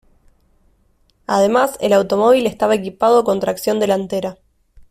Además, el automóvil estaba equipado con tracción delantera.